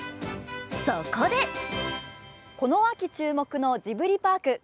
そこでこの秋、注目のジブリパーク。